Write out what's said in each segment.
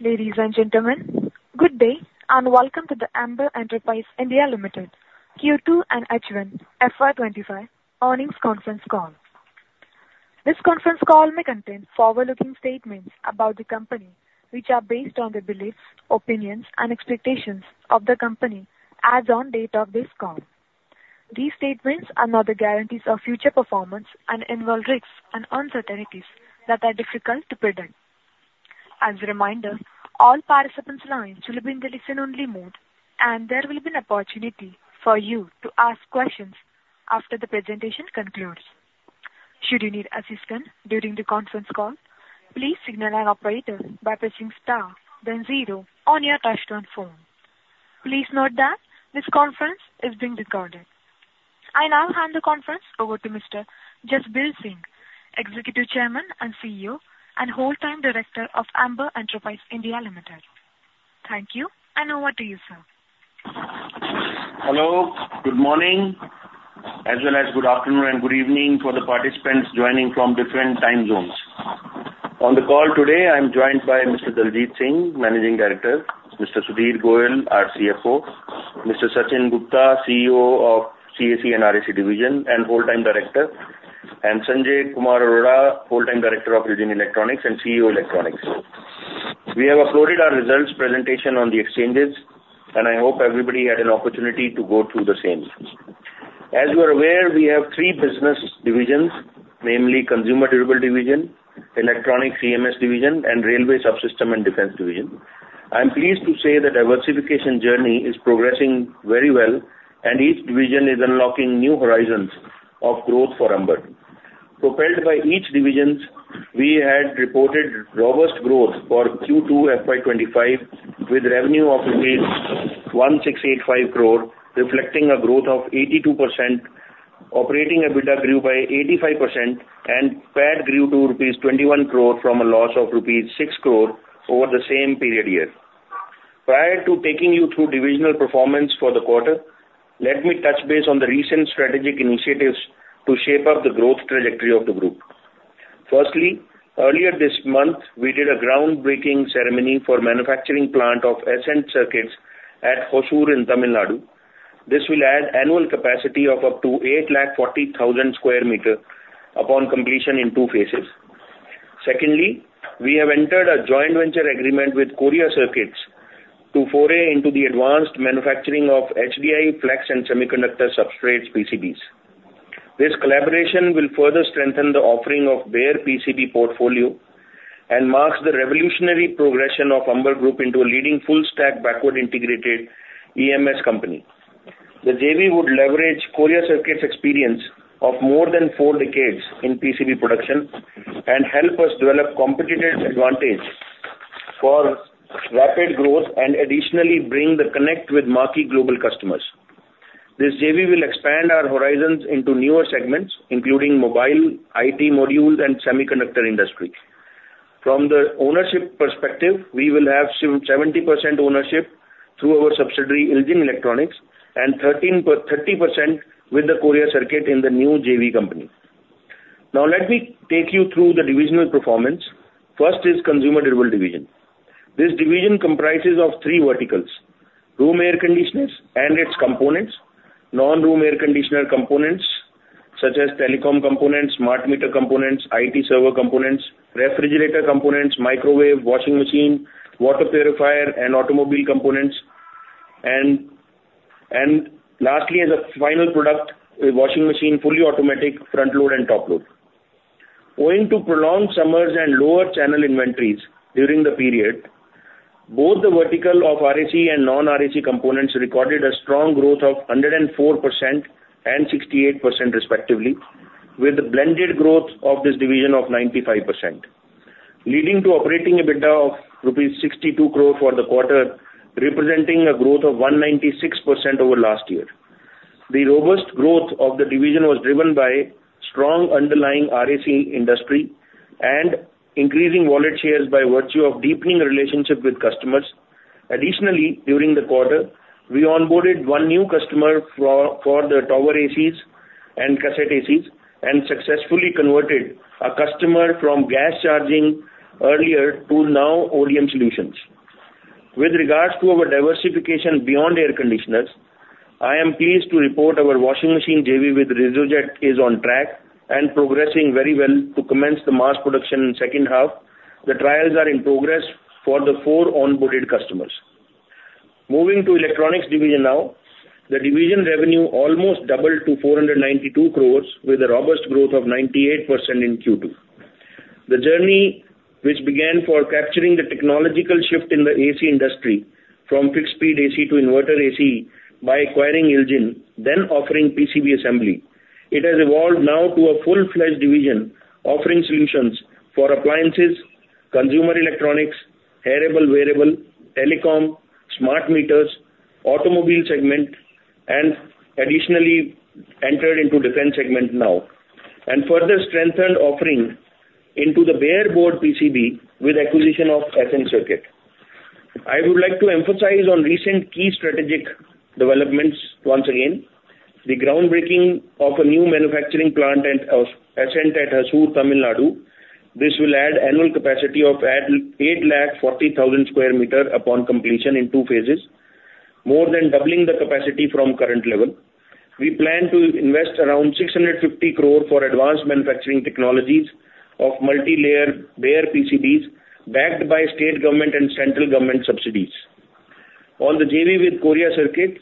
Ladies and gentlemen, good day, and welcome to the Amber Enterprises India Limited Q2 and H1 FY25 earnings conference call. This conference call may contain forward-looking statements about the company, which are based on the beliefs, opinions and expectations of the company as on date of this call. These statements are not the guarantees of future performance and involve risks and uncertainties that are difficult to predict. As a reminder, all participants' lines will be in the listen-only mode, and there will be an opportunity for you to ask questions after the presentation concludes. Should you need assistance during the conference call, please signal an operator by pressing star then zero on your touchtone phone. Please note that this conference is being recorded. I now hand the conference over to Mr. Jasbir Singh, Executive Chairman and CEO and Whole-time Director of Amber Enterprises India Limited. Thank you, and over to you, sir. Hello, good morning, as well as good afternoon and good evening for the participants joining from different time zones. On the call today, I'm joined by Mr. Daljit Singh, Managing Director, Mr. Sudhir Goyal, our CFO, Mr. Sachin Gupta, CEO of CAC and RAC Division and Whole-time Director, and Sanjay Kumar Arora, Whole-time Director of IL JIN Electronics and CEO, Electronics. We have uploaded our results presentation on the exchanges, and I hope everybody had an opportunity to go through the same. As you are aware, we have three business divisions: namely, Consumer Durable Division, Electronic EMS Division, and Railway Subsystem and Defense Division. I'm pleased to say the diversification journey is progressing very well, and each division is unlocking new horizons of growth for Amber. Propelled by each division, we had reported robust growth for Q2 FY25, with revenue of rupees 1685 crore, reflecting a growth of 82%, operating EBITDA grew by 85%, and PAT grew to rupees 21 crore from a loss of rupees 6 crore over the same period year. Prior to taking you through divisional performance for the quarter, let me touch base on the recent strategic initiatives to shape up the growth trajectory of the group. Firstly, earlier this month, we did a groundbreaking ceremony for manufacturing plant of Ascent Circuits at Hosur in Tamil Nadu. This will add annual capacity of up to 840,000 square meters upon completion in two phases. Secondly, we have entered a joint venture agreement with Korea Circuit to foray into the advanced manufacturing of HDI, flex and semiconductor substrates PCBs. This collaboration will further strengthen the offering of bare PCB portfolio and marks the revolutionary progression of Amber Group into a leading full-stack, backward-integrated EMS company. The JV would leverage Korea Circuit's experience of more than four decades in PCB production and help us develop competitive advantage for rapid growth and additionally bring the connect with marquee global customers. This JV will expand our horizons into newer segments, including mobile, IT modules, and semiconductor industry. From the ownership perspective, we will have seventy percent ownership through our subsidiary, IL JIN Electronics, and thirty percent with the Korea Circuit in the new JV company. Now, let me take you through the divisional performance. First is Consumer Durable Division. This division comprises of three verticals: room air conditioners and its components, non-room air conditioner components, such as telecom components, smart meter components, IT server components, refrigerator components, microwave, washing machine, water purifier, and automobile components, and lastly, as a final product, a washing machine, fully automatic, front load and top load. Owing to prolonged summers and lower channel inventories during the period, both the vertical of RAC and non-RAC components recorded a strong growth of 104% and 68% respectively, with the blended growth of this division of 95%, leading to operating EBITDA of rupees 62 crore for the quarter, representing a growth of 196% over last year. The robust growth of the division was driven by strong underlying RAC industry and increasing wallet shares by virtue of deepening relationship with customers. Additionally, during the quarter, we onboarded one new customer for the tower ACs and cassette ACs and successfully converted a customer from gas charging earlier to now, ODM solutions. With regards to our diversification beyond air conditioners, I am pleased to report our washing machine JV with Resojet is on track and progressing very well to commence the mass production in second half. The trials are in progress for the four onboarded customers. Moving to electronics division now. The division revenue almost doubled to 492 crore, with a robust growth of 98% in Q2. The journey, which began for capturing the technological shift in the AC industry from fixed speed AC to inverter AC by acquiring IL JIN, then offering PCB assembly, it has evolved now to a full-fledged division, offering solutions for appliances, consumer electronics, wearable, telecom, smart meters, automobile segment, and additionally entered into defense segment now, and further strengthened offering into the bare board PCB with acquisition of Ascent Circuits. I would like to emphasize on recent key strategic developments once again. The groundbreaking of a new manufacturing plant of Ascent at Hosur, Tamil Nadu. This will add annual capacity of 840,000 square meters upon completion in two phases, more than doubling the capacity from current level. We plan to invest around 650 crore for advanced manufacturing technologies of multilayer, bare PCBs, backed by state government and central government subsidies. On the JV with Korea Circuit,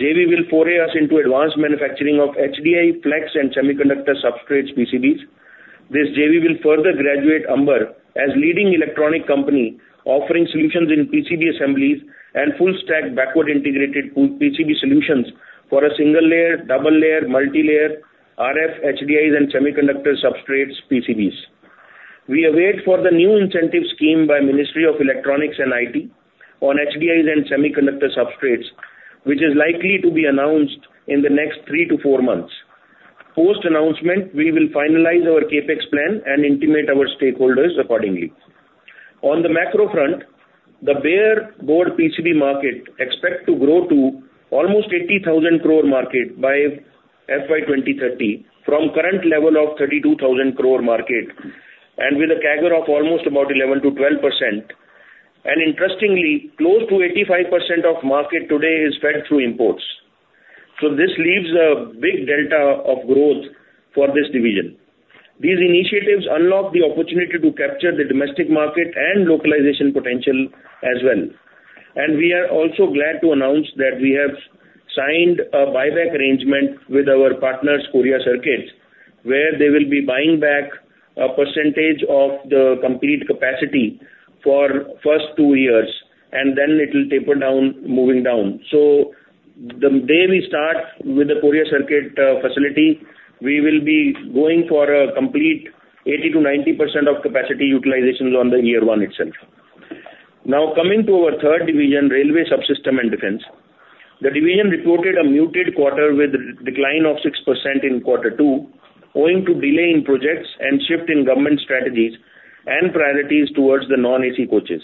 JV will foray us into advanced manufacturing of HDI, flex, and semiconductor substrates PCBs. This JV will further graduate Amber as leading electronic company, offering solutions in PCB assemblies and full stack backward integrated PCB solutions for a single layer, double layer, multilayer, RF, HDIs, and semiconductor substrates PCBs. We await for the new incentive scheme by Ministry of Electronics and IT on HDIs and semiconductor substrates, which is likely to be announced in the next three to four months. Post announcement, we will finalize our CapEx plan and intimate our stakeholders accordingly. On the macro front, the bare board PCB market expect to grow to almost 80,000 crore market by FY 2030, from current level of 32,000 crore market, and with a CAGR of almost about 11%-12%. And interestingly, close to 85% of the market today is fed through imports. So this leaves a big delta of growth for this division. These initiatives unlock the opportunity to capture the domestic market and localization potential as well. And we are also glad to announce that we have signed a buyback arrangement with our partners, Korea Circuit, where they will be buying back a percentage of the complete capacity for first two years, and then it will taper down, moving down. So the day we start with the Korea Circuit facility, we will be going for a complete 80%-90% of capacity utilizations on the year one itself. Now, coming to our third division, railway subsystem and defense. The division reported a muted quarter with decline of 6% in quarter two, owing to delay in projects and shift in government strategies and priorities towards the non-AC coaches.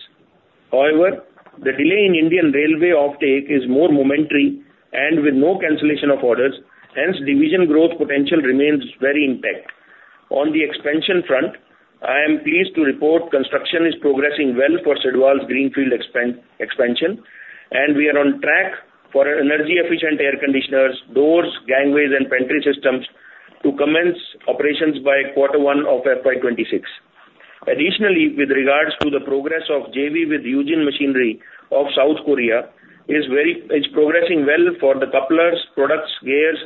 However, the delay in Indian Railway offtake is more momentary and with no cancellation of orders, hence division growth potential remains very intact. On the expansion front, I am pleased to report construction is progressing well for Sidwal's greenfield expansion, and we are on track for energy efficient air conditioners, doors, gangways, and pantry systems to commence operations by quarter one of FY26. Additionally, with regards to the progress of JV with Yujin Machinery of South Korea, is progressing well for the couplers, products, gears,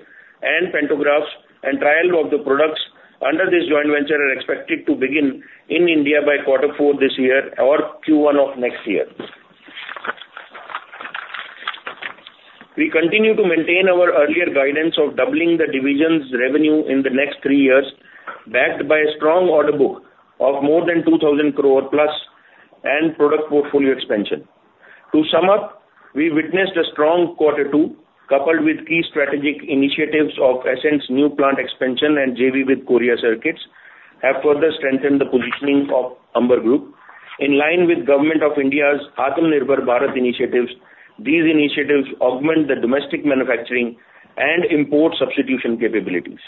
and pantographs, and trial of the products under this joint venture are expected to begin in India by quarter four this year or Q1 of next year. We continue to maintain our earlier guidance of doubling the division's revenue in the next three years, backed by a strong order book of more than 2,000+ crore and product portfolio expansion. To sum up, we witnessed a strong quarter two, coupled with key strategic initiatives of Ascent's new plant expansion and JV with Korea Circuit, have further strengthened the positioning of Amber Group. In line with Government of India's Atmanirbhar Bharat initiatives, these initiatives augment the domestic manufacturing and import substitution capabilities.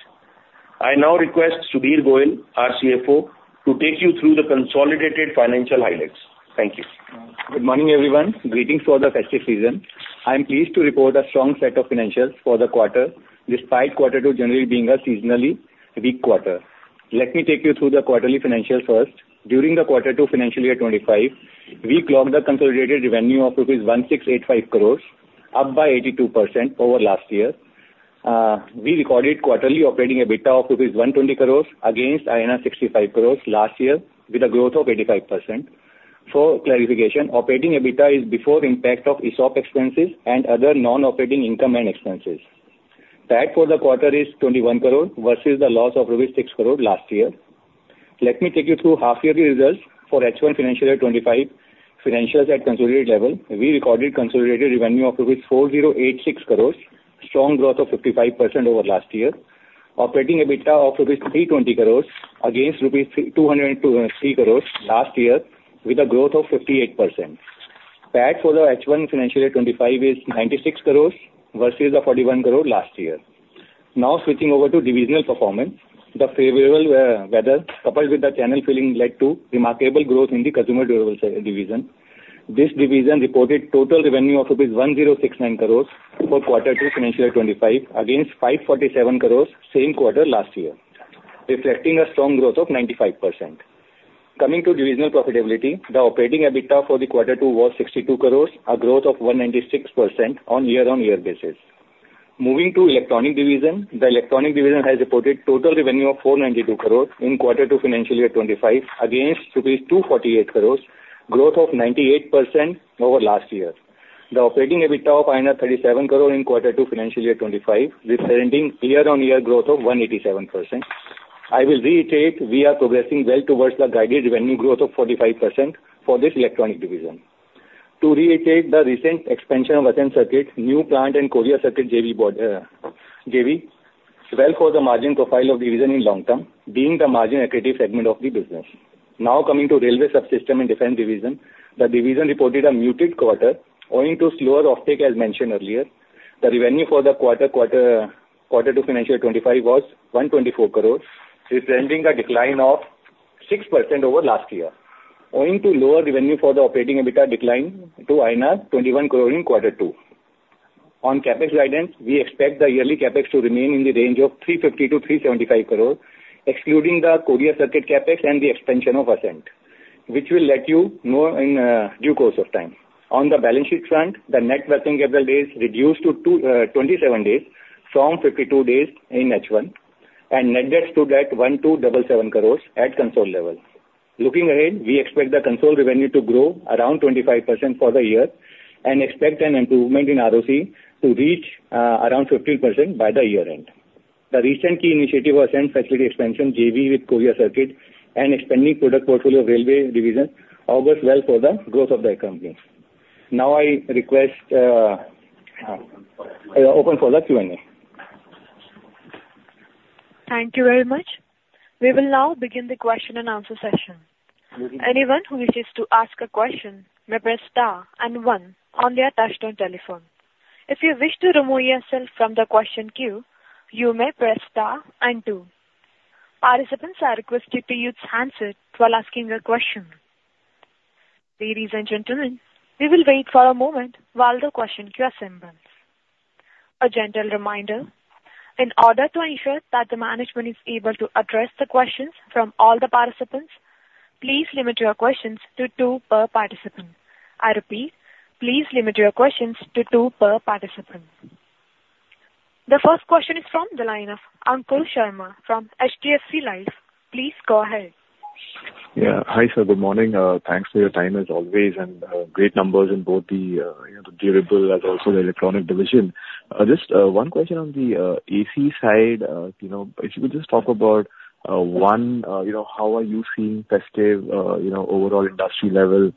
I now request Sudhir Goyal, our CFO, to take you through the consolidated financial highlights. Thank you. Good morning, everyone. Greetings for the festive season. I am pleased to report a strong set of financials for the quarter, despite quarter two generally being a seasonally weak quarter. Let me take you through the quarterly financials first. During the quarter two financial year 2025, we clocked a consolidated revenue of rupees 1,685 crore, up by 82% over last year. We recorded quarterly operating EBITDA of rupees 120 crore against INR 65 crore last year, with a growth of 85%. For clarification, operating EBITDA is before impact of ESOP expenses and other non-operating income and expenses. PAT for the quarter is 21 crore versus the loss of rupees 6 crore last year. Let me take you through half-yearly results for H1 financial year 2025, financials at consolidated level. We recorded consolidated revenue of rupees 4086 crore, strong growth of 55% over last year. Operating EBITDA of rupees 320 crore against rupees 203 crore last year, with a growth of 58%. PAT for the H1 financial year 2025 is 96 crore versus the 41 crore last year. Now, switching over to divisional performance. The favorable weather, coupled with the channel filling, led to remarkable growth in the consumer durables division. This division reported total revenue of rupees 1069 crore for quarter two financial year 2025, against 547 crore same quarter last year, reflecting a strong growth of 95%. Coming to divisional profitability, the operating EBITDA for the quarter two was 62 crore, a growth of 196% on year-on-year basis. Moving to electronic division. The electronic division has reported total revenue of INR 492 crore in quarter two financial year twenty-five, against INR 248 crore, growth of 98% over last year. The operating EBITDA of INR 37 crore in quarter two financial year twenty-five, representing year-on-year growth of 187%. I will reiterate, we are progressing well towards the guided revenue growth of 45% for this electronic division. To reiterate, the recent expansion of Ascent Circuits, new plant and Korea Circuit JV bodes, JV- Well for the margin profile of division in long term, being the margin accretive segment of the business. Now coming to railway subsystem and defense division, the division reported a muted quarter, owing to slower offtake, as mentioned earlier. The revenue for the quarter to FY25 was 124 crore, representing a decline of 6% over last year, owing to lower revenue for the operating EBITDA declined to INR 21 crore in Q2. On CapEx guidance, we expect the yearly CapEx to remain in the range of 350-375 crore, excluding the Korea Circuit CapEx and the expansion of Ascent, which we will let you know in due course of time. On the balance sheet front, the net working capital days reduced to 27 days from 52 days in H1, and net debt stood at 1,277 crore at consolidated level. Looking ahead, we expect the consolidated revenue to grow around 25% for the year, and expect an improvement in ROCE to reach around 15% by the year end. The recent key initiative was new facility expansion JV with Korea Circuit and expanding product portfolio railway division, all goes well for the growth of the company. Now I request open for the Q&A. Thank you very much. We will now begin the question and answer session. Anyone who wishes to ask a question, may press star and one on their touchtone telephone. If you wish to remove yourself from the question queue, you may press star and two. Participants are requested to use handset while asking a question. Ladies and gentlemen, we will wait for a moment while the question queue assembles. A gentle reminder, in order to ensure that the management is able to address the questions from all the participants, please limit your questions to two per participant. I repeat, please limit your questions to two per participant. The first question is from the line of Ankur Sharma from HDFC Life. Please go ahead. Yeah. Hi, sir, good morning. Thanks for your time as always, and great numbers in both the, you know, the durable as also the electronic division. Just one question on the AC side. You know, if you could just talk about one, you know, how are you seeing festive, you know, overall industry level,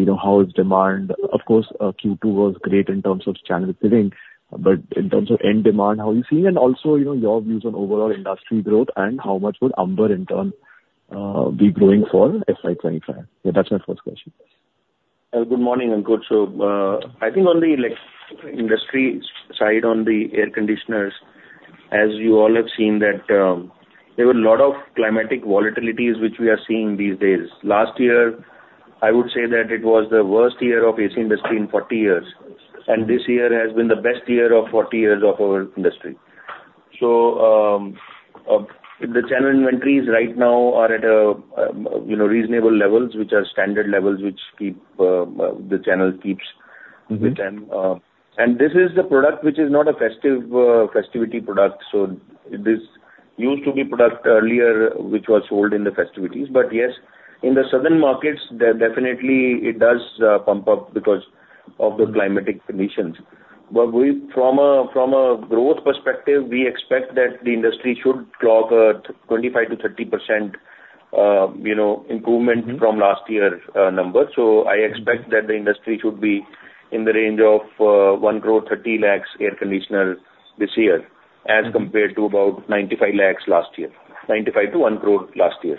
you know, how is demand? Of course, Q2 was great in terms of channel filling, but in terms of end demand, how are you seeing? And also, you know, your views on overall industry growth and how much would Amber in turn be growing for FY 2025? Yeah, that's my first question. Good morning, Ankur. So, I think on the electronics industry side, on the air conditioners, as you all have seen that, there were a lot of climatic volatilities, which we are seeing these days. Last year, I would say that it was the worst year of AC industry in forty years, and this year has been the best year of forty years of our industry. So, the channel inventories right now are at a you know, reasonable levels, which are standard levels, which keep the channel keeps- Mm-hmm. within. And this is the product which is not a festive, festivity product, so this used to be product earlier, which was sold in the festivities. But yes, in the southern markets, the definitely it does pump up because of the climatic conditions. But we, from a, from a growth perspective, we expect that the industry should grow 25%-30%, you know, improvement. Mm-hmm. from last year's number. So I expect that the industry should be in the range of one crore thirty lakhs air conditioner this year. Mm-hmm. as compared to about 95 lakh units last year. 95 to one crore last year.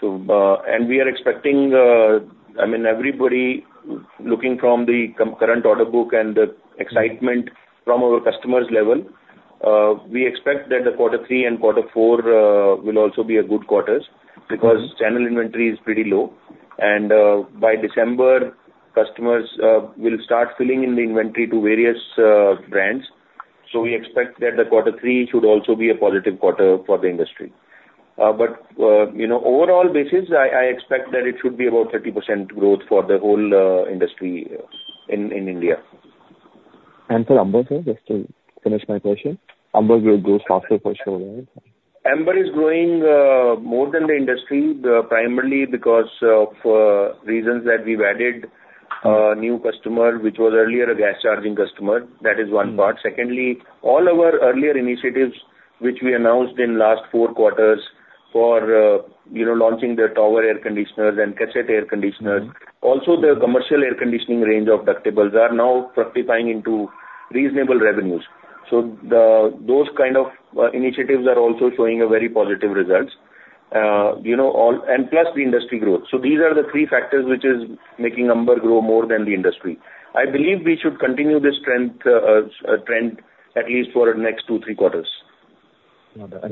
So, and we are expecting, I mean, everybody looking from the current order book and the excitement from our customers' level, we expect that the quarter three and quarter four will also be a good quarters. Mm-hmm. Because channel inventory is pretty low. And by December, customers will start filling in the inventory to various brands. So we expect that quarter three should also be a positive quarter for the industry. But you know, overall basis, I expect that it should be about 30% growth for the whole industry in India. For Amber, sir, just to finish my question. Amber will grow faster for sure, right? Amber is growing more than the industry primarily because of reasons that we've added new customer, which was earlier a gas charging customer. That is one part. Mm-hmm. Secondly, all our earlier initiatives, which we announced in last four quarters for, you know, launching the tower air conditioners and cassette air conditioners- Mm-hmm. Also, the commercial air conditioning range of ductables are now fructifying into reasonable revenues. So those kind of initiatives are also showing a very positive results. You know, all and plus the industry growth. So these are the three factors which is making Amber grow more than the industry. I believe we should continue this strength, trend, at least for the next two, three quarters.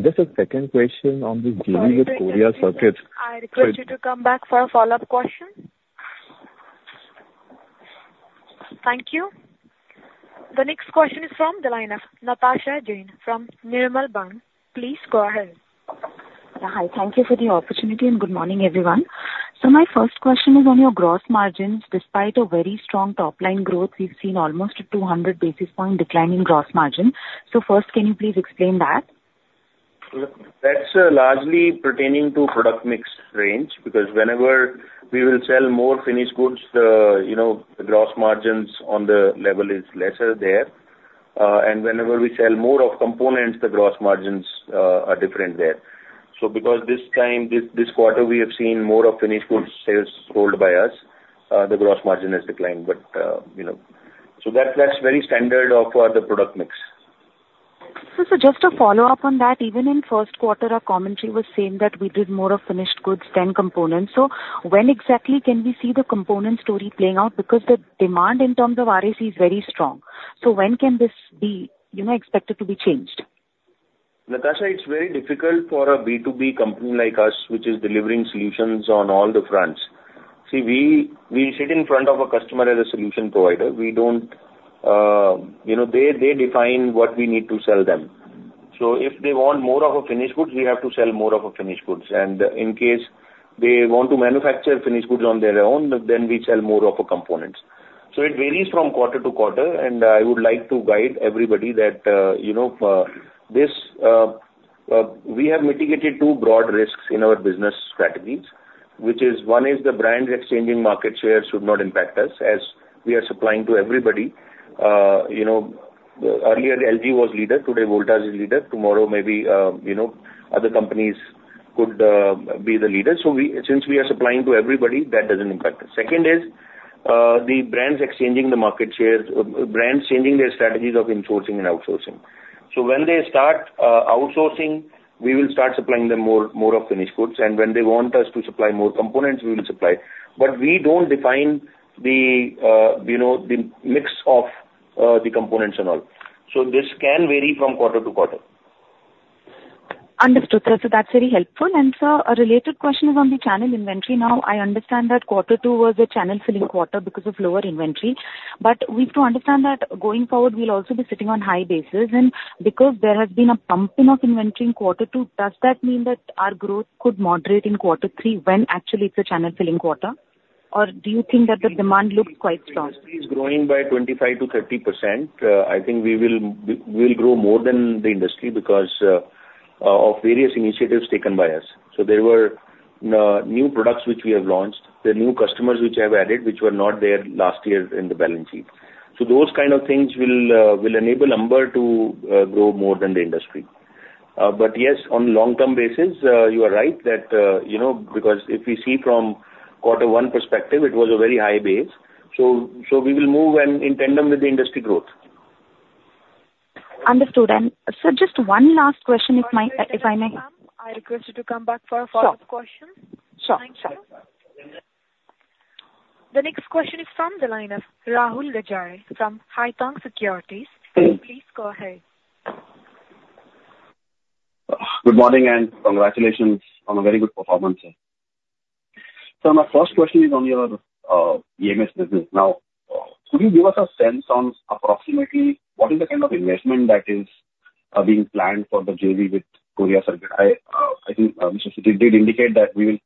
Just a second question on the JV with Korea Circuit. Sorry to interrupt you. I request you to come back for a follow-up question. Thank you. The next question is from the line of Natasha Jain from Nirmal Bang. Please go ahead. Hi. Thank you for the opportunity, and good morning, everyone. So my first question is on your gross margins. Despite a very strong top-line growth, we've seen almost a 200 basis point decline in gross margin. So first, can you please explain that? That's largely pertaining to product mix range, because whenever we will sell more finished goods, you know, the gross margins on the level is lesser there. And whenever we sell more of components, the gross margins are different there. So because this time, this quarter, we have seen more of finished goods sales sold by us, the gross margin has declined, but, you know. So that, that's very standard of our other product mix. So, just a follow-up on that. Even in first quarter, our commentary was saying that we did more of finished goods than components. So when exactly can we see the component story playing out? Because the demand in terms of RAC is very strong. So when can this be, you know, expected to be changed? Natasha, it's very difficult for a B2B company like us, which is delivering solutions on all the fronts. See, we sit in front of a customer as a solution provider. We don't. You know, they define what we need to sell them. So if they want more of a finished goods, we have to sell more of a finished goods. And in case they want to manufacture finished goods on their own, then we sell more of a components. So it varies from quarter to quarter, and I would like to guide everybody that, you know, we have mitigated two broad risks in our business strategies, which is, one is the brands exchanging market share should not impact us as we are supplying to everybody. You know, earlier, LG was leader, today, Voltas is leader. Tomorrow, maybe, you know, other companies could be the leader. So, since we are supplying to everybody, that doesn't impact us. Second is, the brands exchanging the market shares, brands changing their strategies of insourcing and outsourcing. So when they start outsourcing, we will start supplying them more of finished goods, and when they want us to supply more components, we will supply. But we don't define the, you know, the mix of the components and all. So this can vary from quarter to quarter. Understood, sir. So that's very helpful. And sir, a related question is on the channel inventory. Now, I understand that quarter two was a channel-filling quarter because of lower inventory, but we've to understand that going forward, we'll also be sitting on high bases, and because there has been a pumping of inventory in quarter two, does that mean that our growth could moderate in quarter three when actually it's a channel-filling quarter? Or do you think that the demand looks quite strong? Industry is growing by 25%-30%. I think we'll grow more than the industry because of various initiatives taken by us. There were new products which we have launched, the new customers which I've added, which were not there last year in the balance sheet. Those kind of things will enable Amber to grow more than the industry, but yes, on long-term basis, you are right, that you know, because if we see from quarter one perspective, it was a very high base, so we will move in tandem with the industry growth. Understood. And sir, just one last question, if I, if I may- I request you to come back for a follow-up question. Sure. Sure. Thank you. The next question is from the line of Rahul Gajare from Haitong Securities. Please go ahead. Good morning, and congratulations on a very good performance, sir. My first question is on your EMS business. Now, could you give us a sense on approximately what is the kind of investment that is being planned for the JV with Korea Circuit? I think Mr. Sudhir did indicate that we will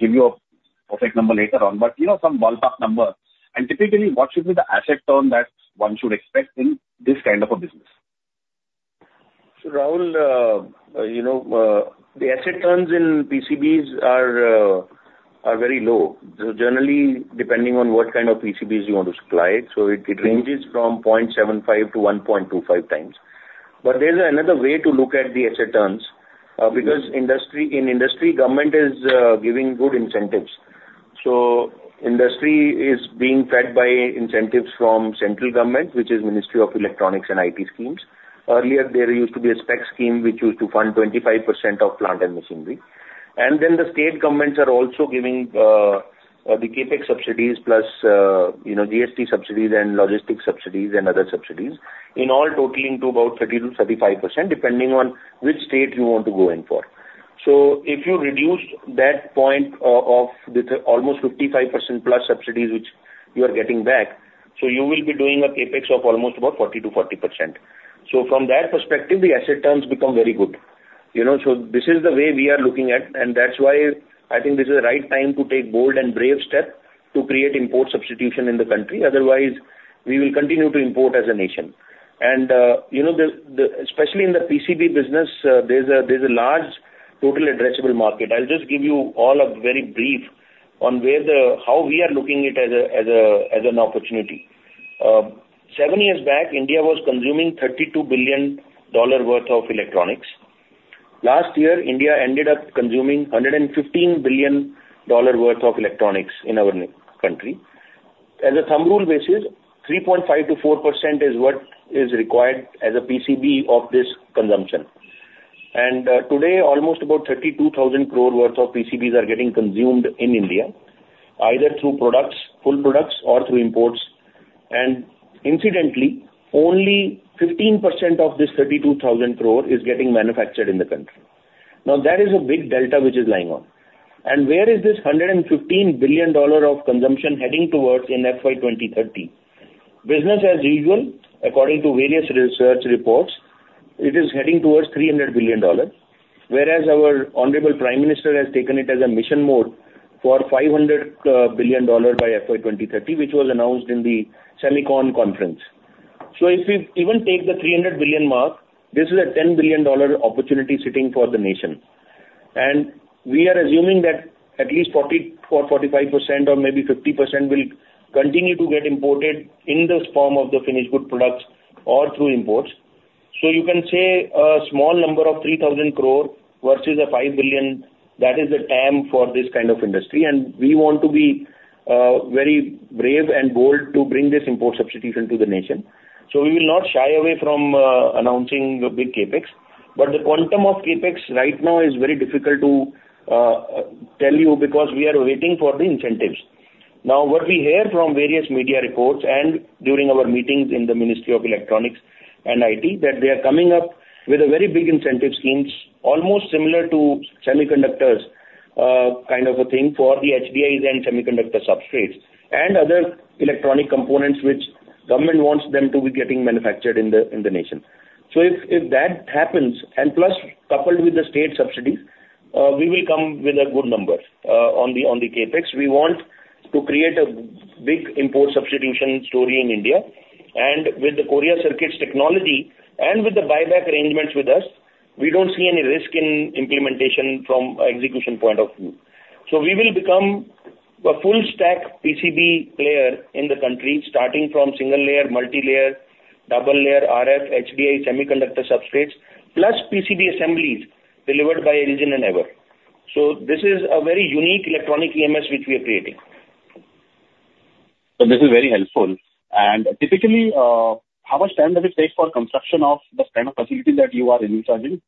give you a perfect number later on, but you know, some ballpark number. And typically, what should be the asset turn that one should expect in this kind of a business? So, Rahul, you know, the asset turns in PCBs are very low. So generally, depending on what kind of PCBs you want to supply, so it ranges from 0.75 to 1.25 times. But there's another way to look at the asset turns, because in industry, government is giving good incentives. So industry is being fed by incentives from central government, which is Ministry of Electronics and Information Technology schemes. Earlier, there used to be a SPECS scheme which used to fund 25% of plant and machinery. And then the state governments are also giving the CapEx subsidies plus, you know, GST subsidies and logistics subsidies and other subsidies, in all totaling to about 30%-35%, depending on which state you want to go in for. If you reduce that point of the almost 55% plus subsidies which you are getting back, so you will be doing a CapEx of almost about 40%-40%. From that perspective, the asset terms become very good. You know, so this is the way we are looking at, and that's why I think this is the right time to take bold and brave step to create import substitution in the country. Otherwise, we will continue to import as a nation. You know, the especially in the PCB business, there's a large total addressable market. I'll just give you all a very brief on where how we are looking it as a as an opportunity. Seven years back, India was consuming $32 billion worth of electronics. Last year, India ended up consuming $115 billion worth of electronics in our country. As a thumb rule basis, 3.5%-4% is what is required as a PCB of this consumption. And today, almost about 32,000 crore worth of PCBs are getting consumed in India, either through products, full products, or through imports. And incidentally, only 15% of this 32,000 crore is getting manufactured in the country. Now, that is a big delta which is lying on. And where is this $115 billion of consumption heading towards in FY 2030? Business as usual, according to various research reports, it is heading towards $300 billion, whereas our honorable Prime Minister has taken it as a mission mode for $500 billion by FY 2030, which was announced in the Semicon conference. So if we even take the $300 billion mark, this is a $10 billion opportunity sitting for the nation. And we are assuming that at least 40%-45% or maybe 50% will continue to get imported in this form of the finished good products or through imports. So you can say, a small number of 3000 crore versus a $5 billion, that is the TAM for this kind of industry, and we want to be very brave and bold to bring this import substitution to the nation. So we will not shy away from announcing the big CapEx. But the quantum of CapEx right now is very difficult to tell you, because we are waiting for the incentives. Now, what we hear from various media reports and during our meetings in the Ministry of Electronics and IT, that they are coming up with a very big incentive schemes, almost similar to semiconductors, kind of a thing for the HDIs and semiconductor substrates, and other electronic components which government wants them to be getting manufactured in the nation. So if that happens, and plus coupled with the state subsidies, we will come with a good number on the CapEx. We want to create a big import substitution story in India. And with the Korea Circuit technology and with the buyback arrangements with us, we don't see any risk in implementation from execution point of view. We will become a full stack PCB player in the country, starting from single layer, multi-layer, double layer, RF, HDI, semiconductor substrates, plus PCB assemblies delivered by IL JIN and Ever. This is a very unique electronic EMS which we are creating. So this is very helpful. And typically, how much time does it take for construction of this kind of facility that you are initiating,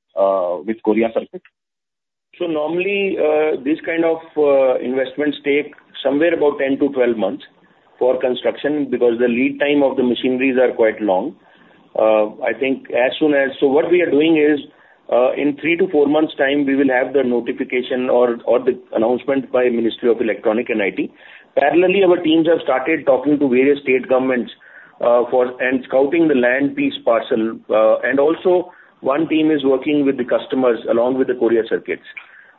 with Korea Circuit? So normally, this kind of investments take somewhere about 10-12 months for construction, because the lead time of the machineries are quite long. I think as soon as. So what we are doing is, in 3-4 months' time, we will have the notification or, or the announcement by Ministry of Electronics and IT. Parallelly, our teams have started talking to various state governments, for and scouting the land lease parcel. And also one team is working with the customers along with the Korea Circuit.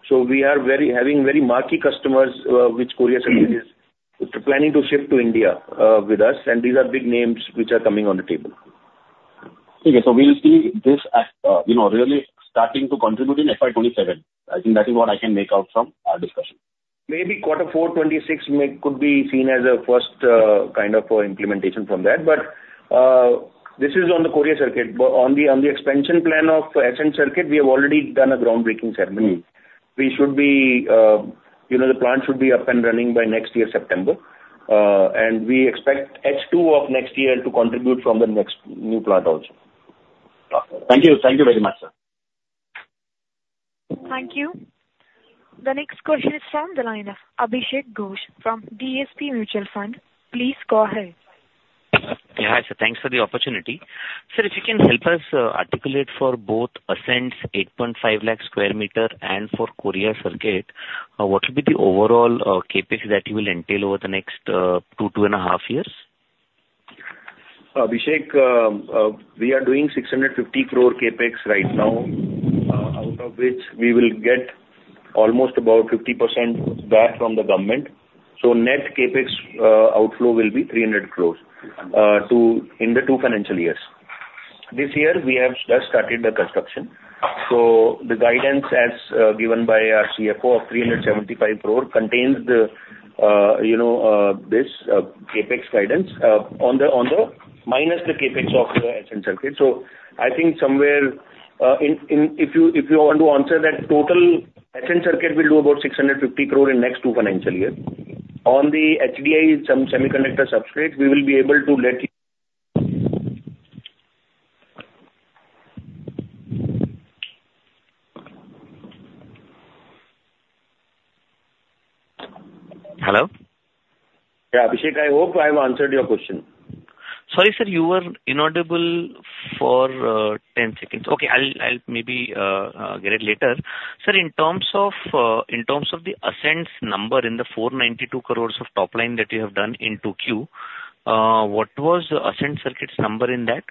So we are very, having very marquee customers, which Korea Circuit is planning to shift to India, with us, and these are big names which are coming on the table. Okay, so we'll see this as, you know, really starting to contribute in FY27. I think that is what I can make out from our discussion. Maybe quarter four, 2026, maybe could be seen as a first kind of implementation from that. But this is on the Korea Circuit. But on the expansion plan of Ascent Circuits, we have already done a groundbreaking ceremony. We should be, you know, the plant should be up and running by next year, September. And we expect H2 of next year to contribute from the next new plant also. Thank you. Thank you very much, sir. Thank you. The next question is from the line of Abhishek Ghosh from DSP Mutual Fund. Please go ahead. Hi, sir. Thanks for the opportunity. Sir, if you can help us articulate for both Ascent's eight point five lakh square meter and for Korea Circuit what will be the overall CapEx that you will entail over the next two, two and a half years? Abhishek, we are doing 650 crore CapEx right now, out of which we will get almost about 50% back from the government. So net CapEx outflow will be 300 crore in the two financial years. This year, we have just started the construction. So the guidance as given by our CFO of 375 crore contains the, you know, this CapEx guidance on the minus the CapEx of the Ascent Circuits. So I think somewhere, in, if you want to answer that, total Ascent Circuits will do about 650 crore in next two financial year. On the HDI Semiconductor substrate, we will be able to let you... Hello? Yeah, Abhishek, I hope I have answered your question. Sorry, sir, you were inaudible for 10 seconds. Okay, I'll maybe get it later. Sir, in terms of the Ascent's number, in the 492 crore of top line that you have done in 2Q, what was Ascent Circuits' number in that?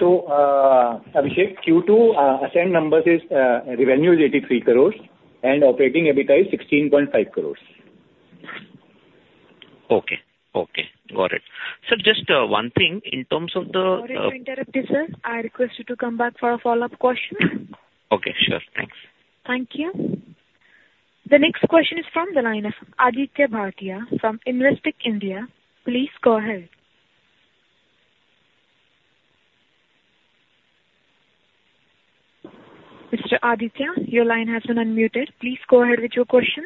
Abhishek, Q2 Ascent numbers is revenue is 83 crore and operating EBITDA is 16.5 crore. Okay. Okay, got it. Sir, just one thing. In terms of the, Sorry to interrupt you, sir. I request you to come back for a follow-up question. Okay, sure. Thanks. Thank you. The next question is from the line of Aditya Bhartia from Investec India. Please go ahead. Mr. Aditya, your line has been unmuted. Please go ahead with your question.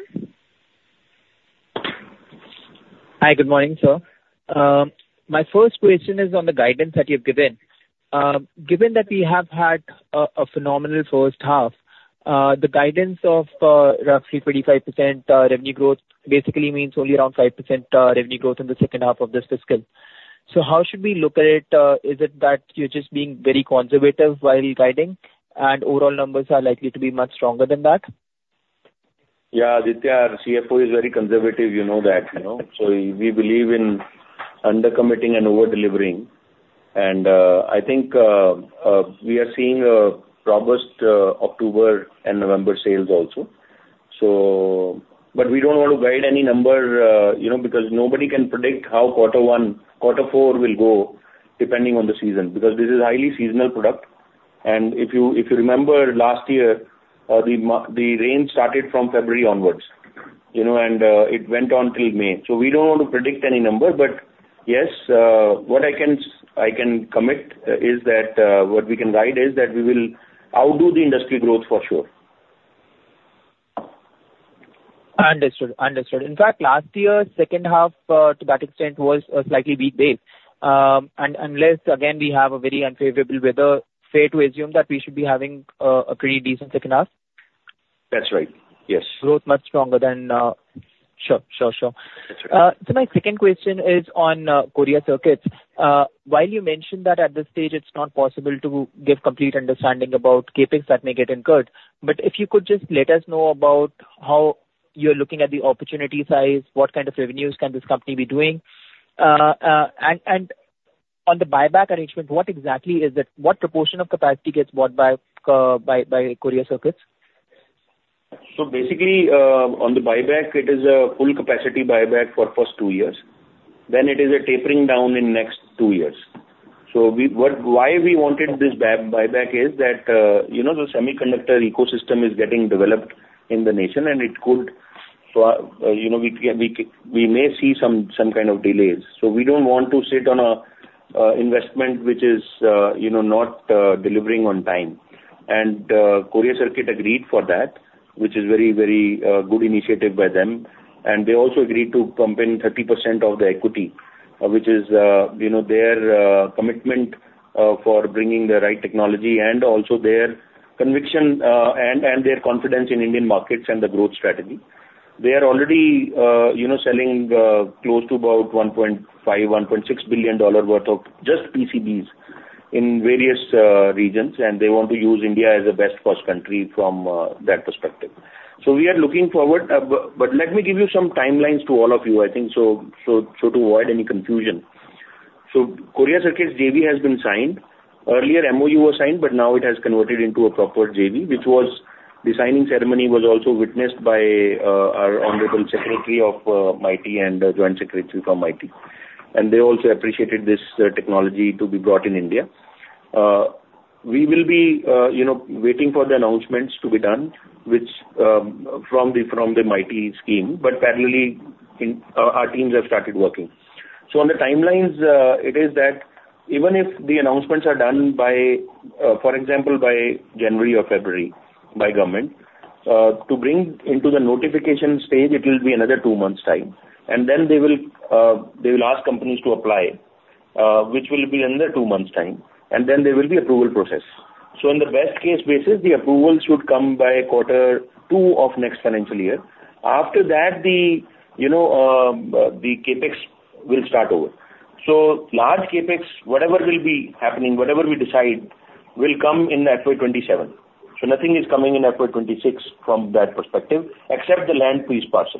Hi. Good morning, sir. My first question is on the guidance that you've given. Given that we have had a phenomenal first half, the guidance of roughly 35% revenue growth basically means only around 5% revenue growth in the second half of this fiscal. So how should we look at it? Is it that you're just being very conservative while guiding, and overall numbers are likely to be much stronger than that? Yeah, Aditya, our CFO is very conservative, you know that, you know. So we believe in under-committing and over-delivering, and, I think, we are seeing a robust, October and November sales also. So. But we don't want to guide any number, you know, because nobody can predict how quarter one - quarter four will go, depending on the season, because this is highly seasonal product. And if you, if you remember last year, the rain started from February onwards... you know, and, it went on till May. So we don't want to predict any number, but yes, what I can commit, is that, what we can guide is that we will outdo the industry growth for sure. Understood, understood. In fact, last year, second half, to that extent, was a slightly weak base. Unless, again, we have a very unfavorable weather, fair to assume that we should be having a pretty decent second half? That's right. Yes. Growth much stronger than, Sure, sure, sure. That's right. So my second question is on Korea Circuit. While you mentioned that at this stage it's not possible to give complete understanding about CapEx that may get incurred, but if you could just let us know about how you're looking at the opportunity size, what kind of revenues can this company be doing? And on the buyback arrangement, what exactly is it? What proportion of capacity gets bought back by Korea Circuit? So basically, on the buyback, it is a full capacity buyback for first two years, then it is a tapering down in next two years. Why we wanted this buyback is that, you know, the semiconductor ecosystem is getting developed in the nation, and it could, you know, we may see some kind of delays. So we don't want to sit on an investment which is, you know, not delivering on time. And Korea Circuit agreed for that, which is very good initiative by them. And they also agreed to come in 30% of the equity, which is, you know, their commitment for bringing the right technology and also their conviction and their confidence in Indian markets and the growth strategy. They are already, you know, selling close to about $1.5-$1.6 billion worth of just PCBs in various regions, and they want to use India as a best first country from that perspective. So we are looking forward, but let me give you some timelines to all of you, I think, so to avoid any confusion. So Korea Circuit JV has been signed. Earlier, MOU was signed, but now it has converted into a proper JV, which was. The signing ceremony was also witnessed by our honorable Secretary of MeitY and Joint Secretary from MeitY. And they also appreciated this technology to be brought in India. We will be, you know, waiting for the announcements to be done, which, from the, from the MeitY scheme, but parallelly, our teams have started working. So on the timelines, it is that even if the announcements are done by, for example, by January or February by government, to bring into the notification stage, it will be another two months' time. And then they will, they will ask companies to apply, which will be another two months' time, and then there will be approval process. So in the best case basis, the approval should come by quarter two of next financial year. After that, the, you know, the CapEx will start over. So large CapEx, whatever will be happening, whatever we decide, will come in FY twenty-seven. So nothing is coming in FY 2026 from that perspective, except the land lease parcel.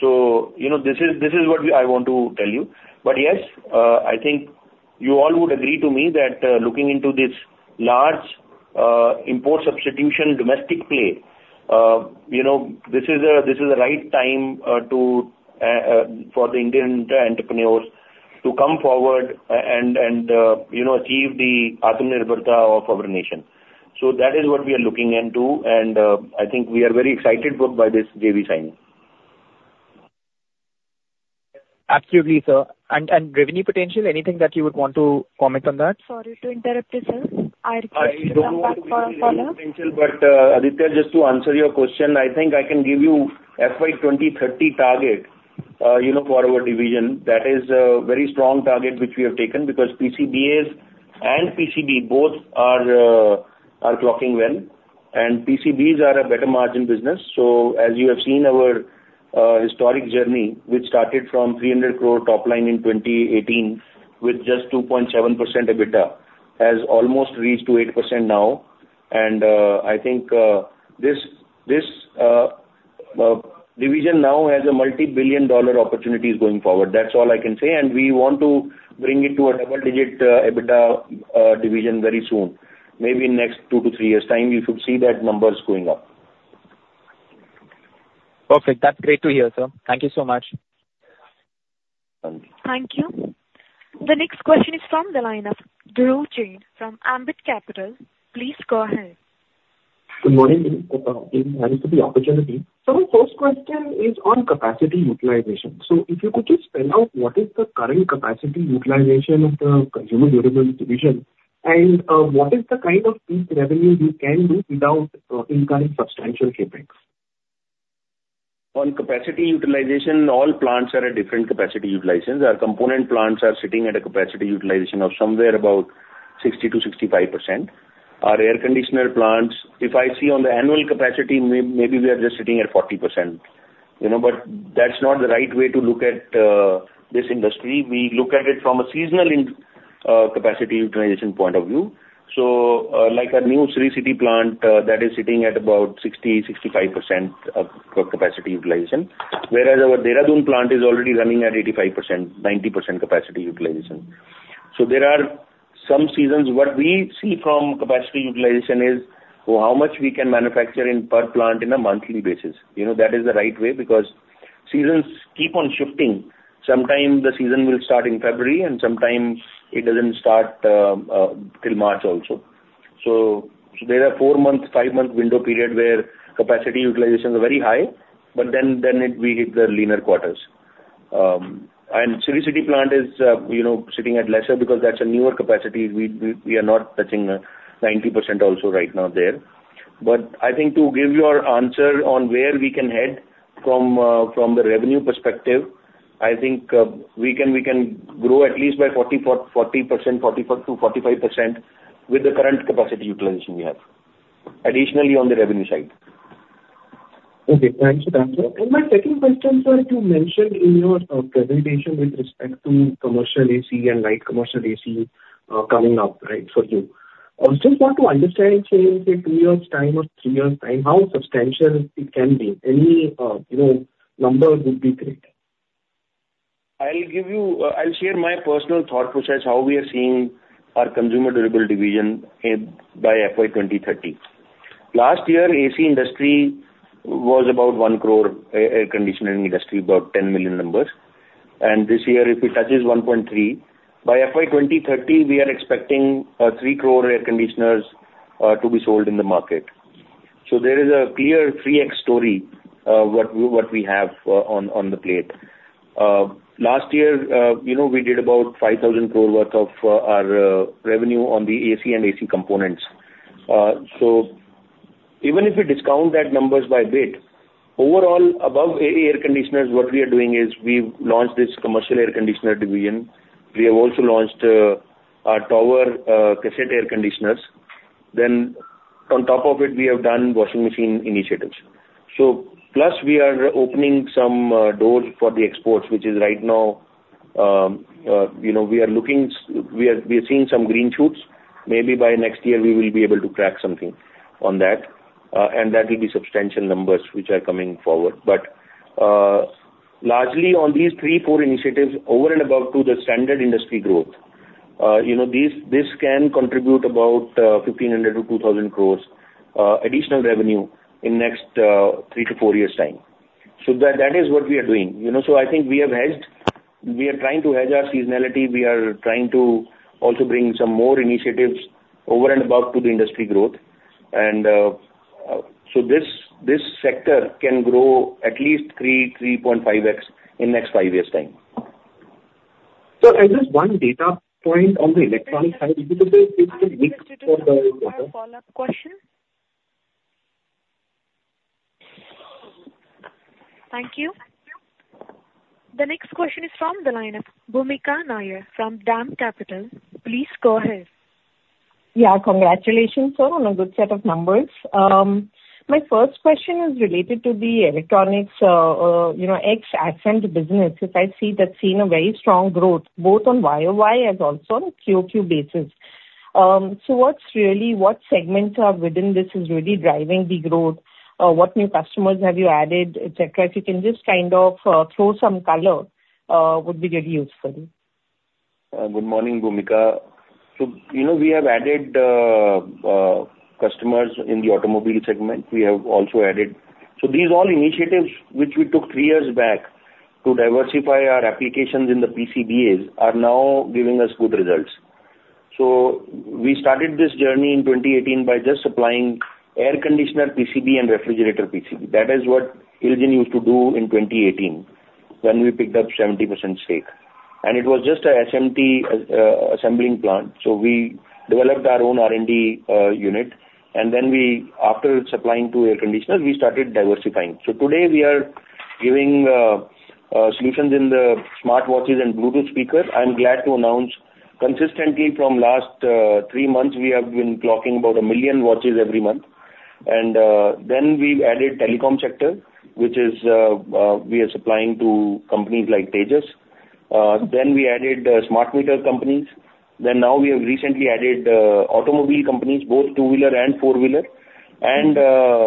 So, you know, this is what I want to tell you. But yes, I think you all would agree to me that, looking into this large import substitution domestic play, you know, this is the right time for the Indian entrepreneurs to come forward and, you know, achieve the Atmanirbharta of our nation. That is what we are looking into, and I think we are very excited by this JV signing. Absolutely, sir. And revenue potential, anything that you would want to comment on that? Sorry to interrupt you, sir. I'll come back, follow up. I don't know potential, but, Aditya, just to answer your question, I think I can give you FY 2030 target, you know, for our division. That is a very strong target which we have taken, because PCBA and PCB both are clocking well. And PCBs are a better margin business. So as you have seen, our historic journey, which started from 300 crore top line in 2018, with just 2.7% EBITDA, has almost reached to 8% now. And I think this division now has a multi-billion dollar opportunities going forward. That's all I can say. And we want to bring it to a double-digit EBITDA division very soon. Maybe next 2 to 3 years' time, you should see that numbers going up. Perfect. That's great to hear, sir. Thank you so much. Thank you. Thank you. The next question is from the line of Dhruv Jain from Ambit Capital. Please go ahead. Good morning, thank you for the opportunity. So my first question is on capacity utilization. So if you could just spell out what is the current capacity utilization of the Consumer Durables division, and what is the kind of peak revenue you can do without incurring substantial CapEx? On capacity utilization, all plants are at different capacity utilization. Our component plants are sitting at a capacity utilization of somewhere about 60%-65%. Our air conditioner plants, if I see on the annual capacity, maybe we are just sitting at 40%. You know, but that's not the right way to look at this industry. We look at it from a seasonal in capacity utilization point of view. So, like our new Sri City plant, that is sitting at about 60%-65% of capacity utilization, whereas our Dehradun plant is already running at 85%, 90% capacity utilization. So there are some seasons. What we see from capacity utilization is how much we can manufacture in per plant in a monthly basis. You know, that is the right way, because seasons keep on shifting. Sometimes the season will start in February, and sometimes it doesn't start till March also. So there are four-month, five-month window period where capacity utilizations are very high, but then we hit the leaner quarters. And Sri City plant is, you know, sitting at less because that's a newer capacity. We are not touching 90% also right now there. But I think to give your answer on where we can head from the revenue perspective, I think we can grow at least by 44%-45% with the current capacity utilization we have, additionally on the revenue side. Okay, thanks for the answer. And my second question, sir, you mentioned in your presentation with respect to commercial AC and light commercial AC coming up, right, for you. I just want to understand, say, in a two years time or three years time, how substantial it can be? Any, you know, numbers would be great. I'll give you, I'll share my personal thought process, how we are seeing our consumer durable division in, by FY 2030. Last year, AC industry was about one crore, air conditioning industry, about 10 million numbers. This year, if it touches 1.3, by FY 2030, we are expecting three crore air conditioners to be sold in the market. So there is a clear 3X story what we have on the plate. Last year, you know, we did about 5,000 crore worth of our revenue on the AC and AC components. So even if you discount that numbers by a bit, overall, above all air conditioners, what we are doing is we've launched this commercial air conditioner division. We have also launched our tower cassette air conditioners. Then on top of it, we have done washing machine initiatives. So plus, we are opening some doors for the exports, which is right now, you know, we are seeing some green shoots. Maybe by next year we will be able to crack something on that, and that will be substantial numbers which are coming forward. But, largely on these three, four initiatives, over and above to the standard industry growth, you know, these, this can contribute about 1,500 crore-2,000 crore additional revenue in next three to four years' time. So that, that is what we are doing. You know, so I think we have hedged. We are trying to hedge our seasonality. We are trying to also bring some more initiatives over and above to the industry growth. This sector can grow at least 3-3.5x in the next five years. And just one data point on the electronics side, because it's the mix for the- Follow-up question? Thank you. The next question is from the line of Bhoomika Nair, from DAM Capital. Please go ahead. Yeah, congratulations, sir, on a good set of numbers. My first question is related to the electronics, you know, ex-Ascent business, which I see that's seen a very strong growth, both on YOY and also on QOQ basis. So what segments are within this is really driving the growth? What new customers have you added, et cetera? If you can just kind of throw some color, would be really useful. Good morning, Bhumika. So, you know, we have added customers in the automobile segment. We have also added. So these all initiatives, which we took three years back to diversify our applications in the PCBAs, are now giving us good results. So we started this journey in 2018 by just supplying air conditioner PCB and refrigerator PCB. That is what IL JIN used to do in 2018, when we picked up 70% stake. And it was just a SMT assembling plant, so we developed our own R&D unit, and then we, after supplying to air conditioners, we started diversifying. So today we are giving solutions in the smart watches and Bluetooth speakers. I'm glad to announce consistently from last three months, we have been clocking about a million watches every month. Then we've added telecom sector, which is, we are supplying to companies like Tejas. Then we added smart meter companies. Then now we have recently added automobile companies, both two-wheeler and four-wheeler.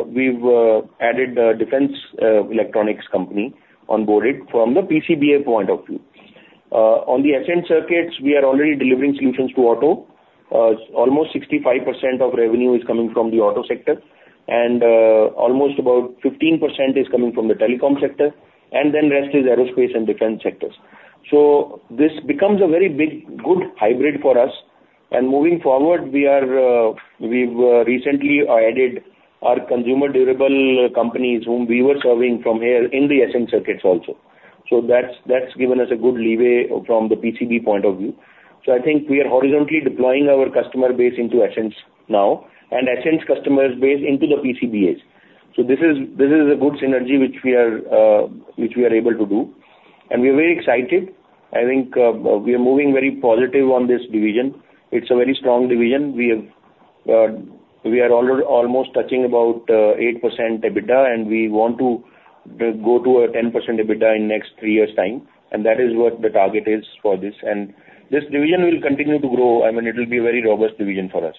We've added a defense electronics company on board from the PCBA point of view. On the Ascent Circuits, we are already delivering solutions to auto. Almost 65% of revenue is coming from the auto sector, and almost about 15% is coming from the telecom sector, and then rest is aerospace and defense sectors. This becomes a very big, good hybrid for us. Moving forward, we are, we've recently added our consumer durable companies, whom we were serving from here in the Ascent Circuits also. So that's given us a good leeway from the PCB point of view. So I think we are horizontally deploying our customer base into Ascent now, and Ascent's customer base into the PCBAs. So this is a good synergy which we are able to do. And we are very excited. I think we are moving very positive on this division. It's a very strong division. We are almost touching about 8% EBITDA, and we want to go to a 10% EBITDA in next three years' time, and that is what the target is for this. And this division will continue to grow. I mean, it will be a very robust division for us.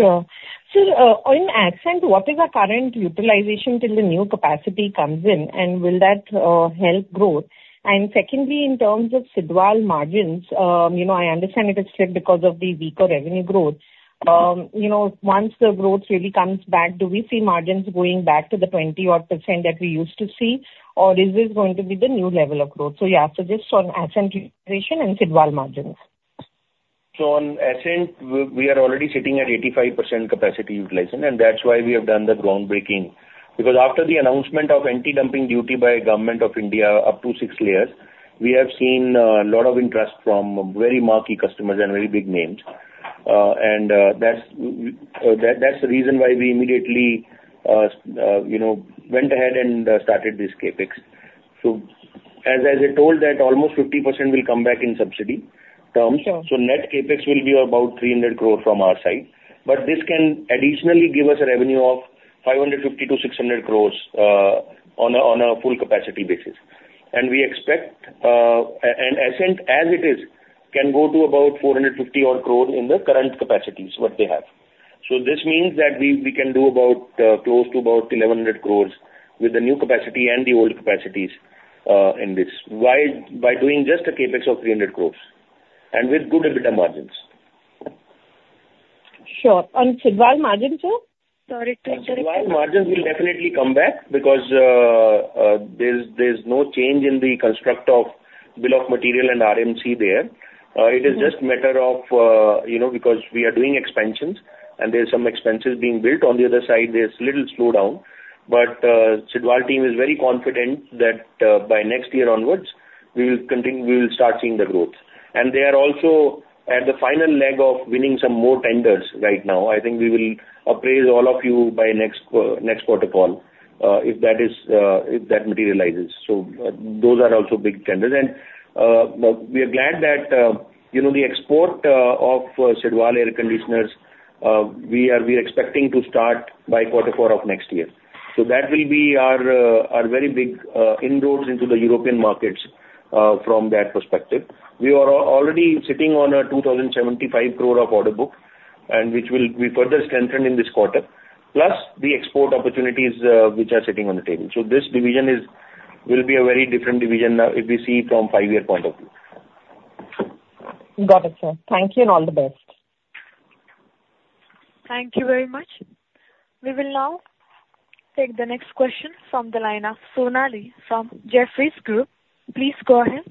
Sure. So, on Ascent, what is our current utilization till the new capacity comes in, and will that help growth? And secondly, in terms of Sidwal margins, you know, I understand it is stripped because of the weaker revenue growth. You know, once the growth really comes back, do we see margins going back to the 20% that we used to see, or is this going to be the new level of growth? So, yeah, so just on Ascent utilization and Sidwal margins. ... So on Ascent, we are already sitting at 85% capacity utilization, and that's why we have done the groundbreaking. Because after the announcement of anti-dumping duty by Government of India up to six layers, we have seen a lot of interest from very marquee customers and very big names. And that's the reason why we immediately, you know, went ahead and started this CapEx. So as I told that almost 50% will come back in subsidy terms. Sure. Net CapEx will be about 300 crore from our side. But this can additionally give us a revenue of 550 crore-600 crore on a full capacity basis. And we expect, and Ascent, as it is, can go to about 450 crore in the current capacities, what they have. So this means that we can do about close to about 1,100 crore with the new capacity and the old capacities in this. Why? By doing just a CapEx of 300 crore, and with good EBITDA margins. Sure. And Sidwal margins, sir? Sorry to interrupt you. Sidwal margins will definitely come back because there's no change in the construct of bill of material and RMC there. Mm-hmm. It is just matter of, you know, because we are doing expansions and there are some expenses being built. On the other side, there's little slowdown. But, Sidwal team is very confident that, by next year onwards, we will start seeing the growth. And they are also at the final leg of winning some more tenders right now. I think we will appraise all of you by next quarter call, if that materializes. So, those are also big tenders. And, we are glad that, you know, the export of Sidwal air conditioners, we are expecting to start by quarter four of next year. So that will be our very big inroads into the European markets, from that perspective. We are already sitting on a 2,075 crore order book, and which will be further strengthened in this quarter, plus the export opportunities, which are sitting on the table. So this division will be a very different division now if we see from five-year point of view. Got it, sir. Thank you, and all the best. Thank you very much. We will now take the next question from the line of Sonali from Jefferies Group. Please go ahead.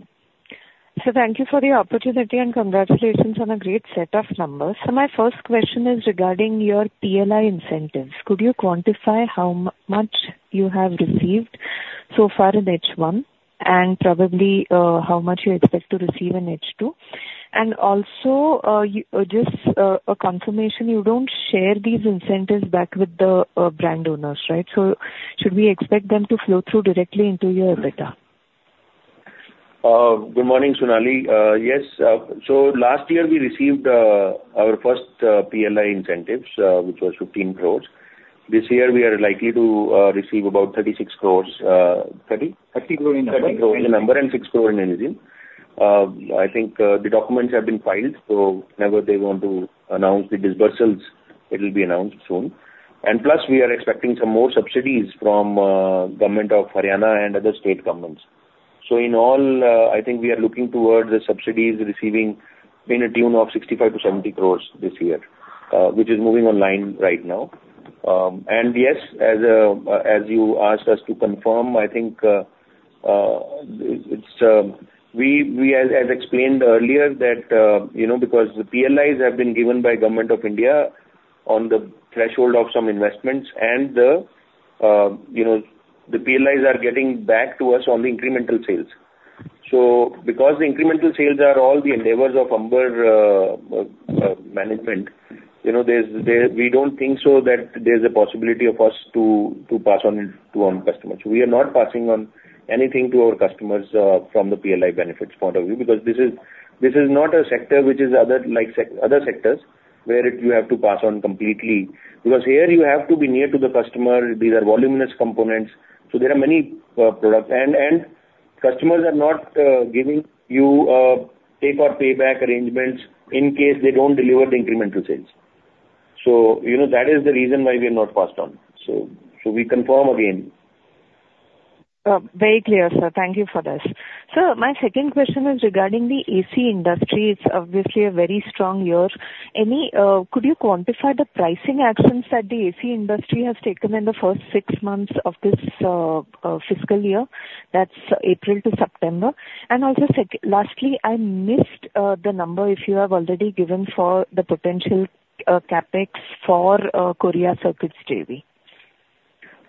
So thank you for the opportunity and congratulations on a great set of numbers. So my first question is regarding your PLI incentives. Could you quantify how much you have received so far in H1, and probably how much you expect to receive in H2? And also, just a confirmation, you don't share these incentives back with the brand owners, right? So should we expect them to flow through directly into your EBITDA? Good morning, Sonali. Yes, so last year we received our first PLI incentives, which was 15 crore. This year, we are likely to receive about 36 crore. Thirty? Thirty crore in number. 30 crore in number and 6 crore in revenue. I think the documents have been filed, so whenever they want to announce the disbursements, it will be announced soon. And plus, we are expecting some more subsidies from Government of Haryana and other state governments. So in all, I think we are looking towards the subsidies receiving to the tune of 65 crore-70 crore this year, which is moving online right now. And yes, as you asked us to confirm, I think it's... We, as explained earlier, that you know, because the PLIs have been given by Government of India on the threshold of some investments and the, you know, the PLIs are getting back to us on the incremental sales. So because the incremental sales are all the endeavors of Amber management, you know, we don't think so that there's a possibility of us to pass on it to our customers. We are not passing on anything to our customers from the PLI benefits point of view, because this is not a sector which is other, like other sectors, where you have to pass on completely. Because here you have to be near to the customer, these are voluminous components, so there are many products. And customers are not giving you take or pay back arrangements in case they don't deliver the incremental sales. So, you know, that is the reason why we have not passed on. So we confirm again. Very clear, sir. Thank you for this. Sir, my second question is regarding the AC industry. It's obviously a very strong year. Any... Could you quantify the pricing actions that the AC industry has taken in the first six months of this fiscal year? That's April to September. And also lastly, I missed the number, if you have already given, for the potential CapEx for Korea Circuit JV.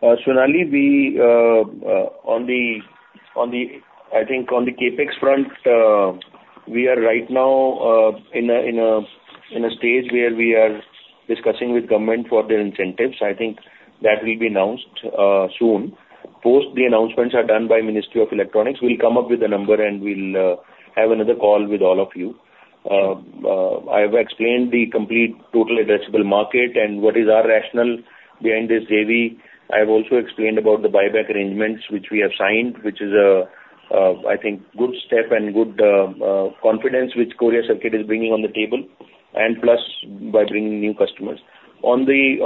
Sonali, we, on the-- I think on the CapEx front, we are right now in a stage where we are discussing with government for their incentives. I think that will be announced soon. Post the announcements are done by Ministry of Electronics, we'll come up with a number and we'll have another call with all of you. I have explained the complete total addressable market and what is our rationale behind this JV. I have also explained about the buyback arrangements which we have signed, which is a, I think, good step and good confidence which Korea Circuit is bringing on the table, and plus by bringing new customers. On the...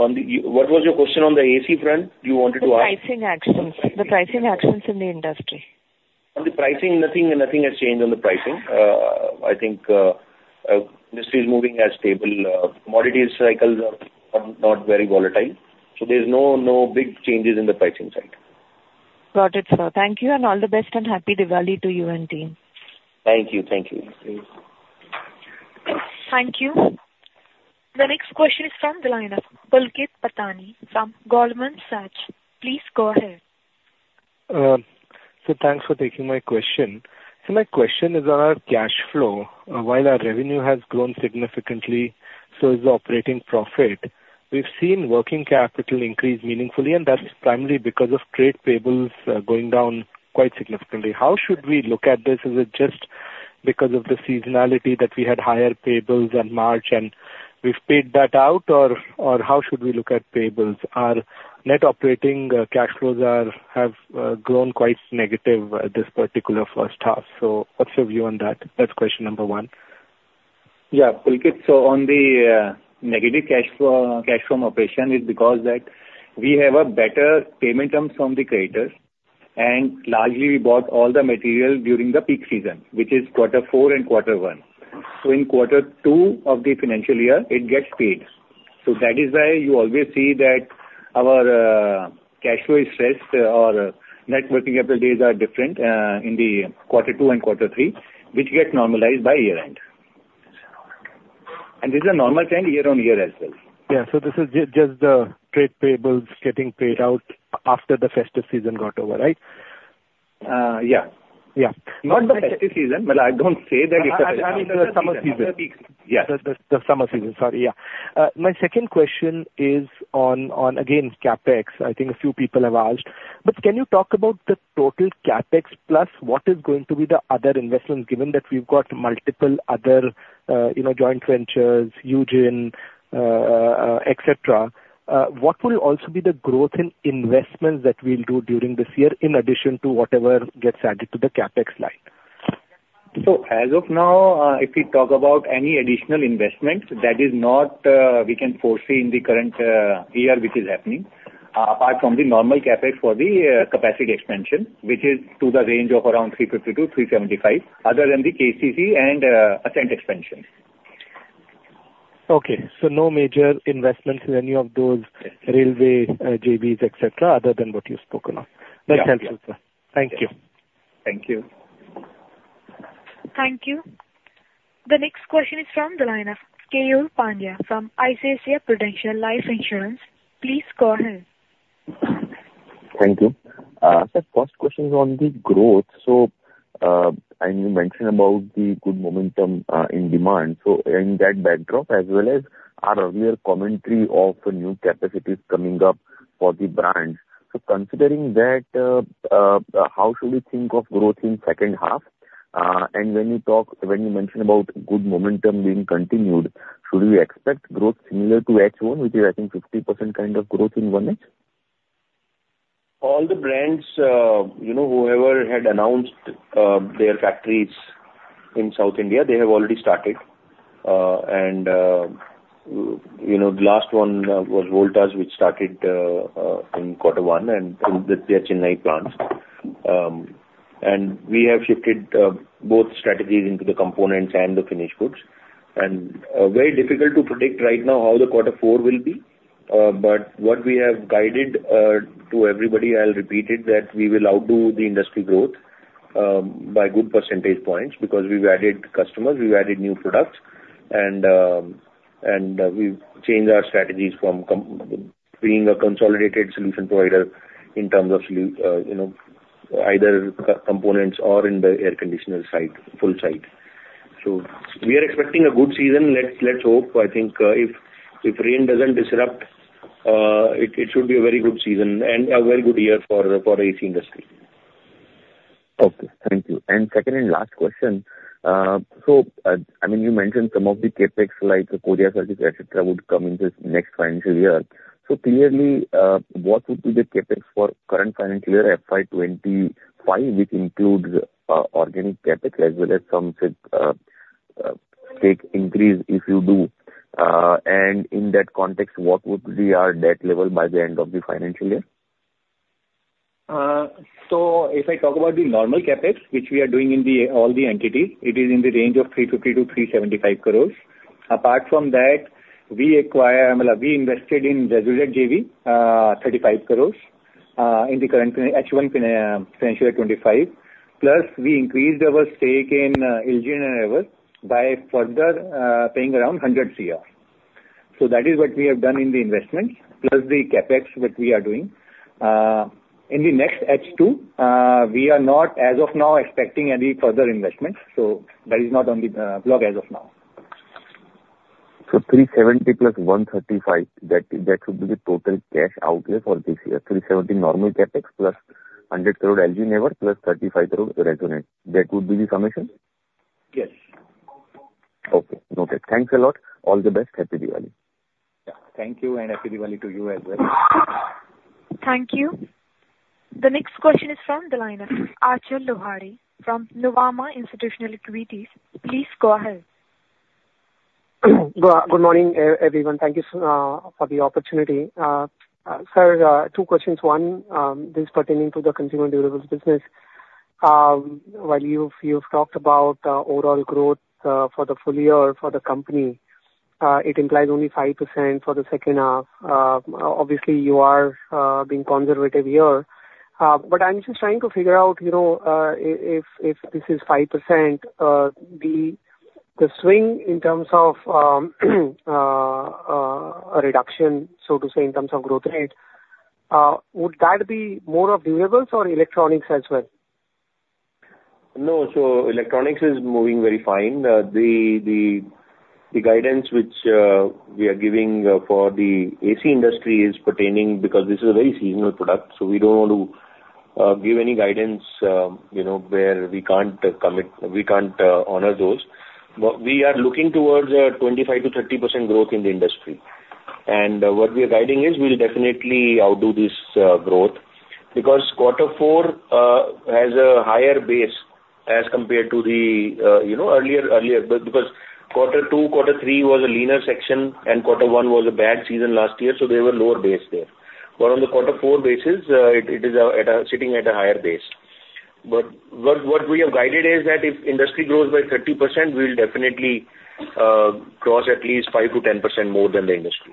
What was your question on the AC front you wanted to ask? The pricing actions in the industry. On the pricing, nothing, nothing has changed on the pricing. I think industry is moving as stable. Commodities cycles are, are not very volatile, so there's no, no big changes in the pricing side. Got it, sir. Thank you, and all the best and Happy Diwali to you and team! Thank you. Thank you. Thank you. The next question is from the line of Pulkit Patni from Goldman Sachs. Please go ahead. So thanks for taking my question. So my question is on our cash flow. While our revenue has grown significantly, so is the operating profit. We've seen working capital increase meaningfully, and that's primarily because of trade payables going down quite significantly. How should we look at this? Is it just because of the seasonality that we had higher payables in March, and we've paid that out, or how should we look at payables? Our net operating cash flows have grown quite negative this particular first half. So what's your view on that? That's question number one. Yeah, Pulkit, so on the negative cash flow, cash from operation is because that we have a better payment terms from the creditors, and largely we bought all the material during the peak season, which is quarter four and quarter one. So in quarter two of the financial year, it gets paid. So that is why you always see that our cash flow is stressed or net working capital days are different in the quarter two and quarter three, which get normalized by year end. And this is a normal trend year on year as well. Yeah. So this is just the trade payables getting paid out after the festive season got over, right? Uh, yeah. Yeah. Not the festive season, but I don't say that it is the summer season. The summer season. Sorry, yeah. My second question is on, again, CapEx. I think a few people have asked, but can you talk about the total CapEx, plus what is going to be the other investments, given that we've got multiple other, you know, joint ventures, Yujin, et cetera. What will also be the growth in investments that we'll do during this year, in addition to whatever gets added to the CapEx line? So as of now, if we talk about any additional investments, that is not we can foresee in the current year, which is happening. Apart from the normal CapEx for the capacity expansion, which is to the range of around 350-375, other than the AC and Ascent expansion. Okay, so no major investments in any of those railway JVs, et cetera, other than what you've spoken of. Yeah. That's helpful, sir. Thank you. Thank you. Thank you. The next question is from the line of Keyur Pandya from ICICI Prudential Life Insurance. Please go ahead. Thank you. Sir, first question is on the growth. So, and you mentioned about the good momentum in demand. So in that backdrop, as well as our earlier commentary of the new capacities coming up for the brands, so considering that, how should we think of growth in second half? And when you talk-- when you mention about good momentum being continued, should we expect growth similar to H1, which is, I think, 50% kind of growth in one month? All the brands, you know, whoever had announced their factories in South India, they have already started, and you know, the last one was Voltas, which started in quarter one, and with their Chennai plants. We have shifted both strategies into the components and the finished goods. Very difficult to predict right now how the quarter four will be, but what we have guided to everybody, I'll repeat it, that we will outdo the industry growth by good percentage points, because we've added customers, we've added new products, and we've changed our strategies from being a consolidated solution provider in terms of, you know, either components or in the air conditioner side, full side. So we are expecting a good season. Let's hope. I think, if rain doesn't disrupt, it should be a very good season and a very good year for AC industry. Okay, thank you. And second and last question. So, I mean, you mentioned some of the CapEx, like the Korea Circuit, et cetera, would come into this next financial year. So clearly, what would be the CapEx for current financial year, FY 2025, which includes organic CapEx as well as some stake increase, if you do. And in that context, what would be our debt level by the end of the financial year? So if I talk about the normal CapEx, which we are doing in all the entities, it is in the range of 350 crore-375 crore. Apart from that, we invested in Resojet JV, 35 crore, in the current H1 financial year twenty-five. Plus, we increased our stake in IL JIN and Ever by further paying around 100 crore. So that is what we have done in the investments, plus the CapEx that we are doing. In the next H2, we are not, as of now, expecting any further investments, so that is not on the block as of now. So 370 plus 135, that would be the total cash outlay for this year. 370 normal CapEx plus 100 crore IL JIN and Ever plus 35 crore Resojet. That would be the summation? Yes. Okay. Okay. Thanks a lot. All the best. Happy Diwali! Yeah. Thank you, and Happy Diwali to you as well. Thank you. The next question is from the line of Arjun Lodha from Nuvama Institutional Equities. Please go ahead. Good morning, everyone. Thank you for the opportunity. Sir, two questions. One is pertaining to the consumer durables business. While you've talked about overall growth for the full year for the company, it implies only 5% for the second half. Obviously, you are being conservative here. But I'm just trying to figure out, you know, if this is 5%, the swing in terms of a reduction, so to say, in terms of growth rate, would that be more of durables or electronics as well? No. So electronics is moving very fine. The guidance which we are giving for the AC industry is pertaining because this is a very seasonal product, so we don't want to give any guidance, you know, where we can't commit, we can't honor those. But we are looking towards a 25%-30% growth in the industry. And what we are guiding is we'll definitely outdo this growth because Quarter Four has a higher base as compared to the, you know, earlier. Because Quarter Two, Quarter Three was a leaner section, and Quarter One was a bad season last year, so there were lower base there. But on the Quarter Four basis, it is sitting at a higher base. What we have guided is that if industry grows by 30%, we will definitely cross at least 5%-10% more than the industry.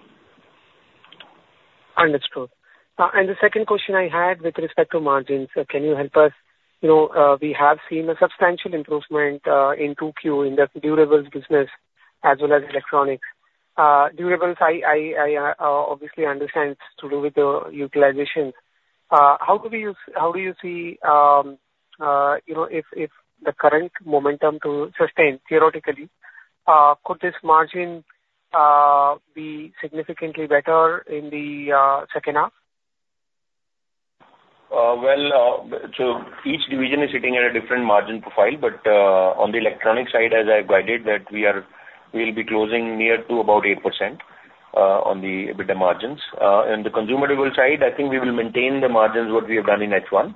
Understood. And the second question I had with respect to margins, can you help us? You know, we have seen a substantial improvement in 2Q in the durables business as well as electronics. Durables, I obviously understand it's to do with the utilization. How do you see, you know, if the current momentum to sustain theoretically, could this margin be significantly better in the second half? Well, so each division is sitting at a different margin profile, but on the electronic side, as I've guided, we'll be closing near to about 8% on the EBITDA margins. In the consumer durable side, I think we will maintain the margins what we have done in H1.